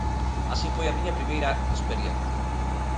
Así foi a miña primeira experiencia.